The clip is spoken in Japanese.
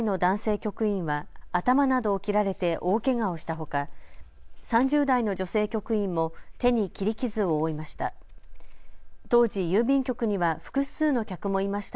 局員は頭などを切られて大けがをしたほか、３０代の女性局員も手に切り傷を負いました。